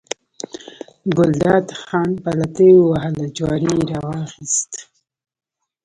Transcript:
ګلداد خان پلتۍ ووهله، جواری یې راواخیست.